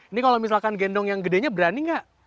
ini kalau misalkan gendong yang gedenya berani nggak